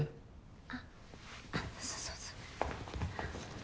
あっあっうそうそうそ。